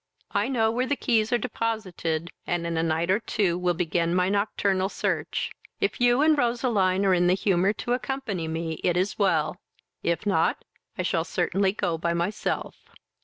I know where the keys are deposited, and in a night or two will begin my nocturnal search. If you and Roseline are in the humour to accompany me, it is well; if not, I shall certainly go by myself."